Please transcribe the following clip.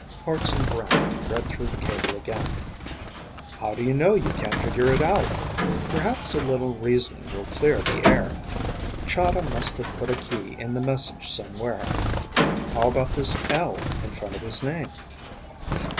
Hartson Brant read through the cable again. "How do you know you can't figure it out? Perhaps a little reasoning will clear the air. Chahda must have put a key in the message somewhere. How about this 'L' in front of his name?"